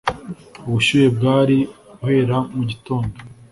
Ubushuhe bwari guhera mu gitondo